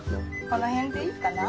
この辺でいいかな？